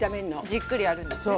じっくりやるんですね。